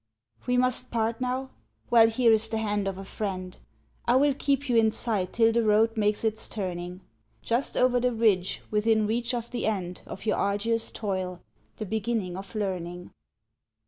We must part now? Well, here is the hand of a friend; I will keep you in sight till the road makes its turning Just over the ridge within reach of the end Of your arduous toil, the beginning of learning.